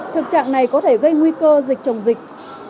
thực trạng này có thể gây nguy cơ dịch chồng dịch